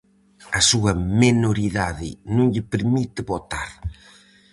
A súa menoridade non lle permite votar.